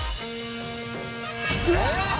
えっ！